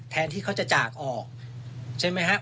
ที่เขาจะจากออกใช่ไหมครับ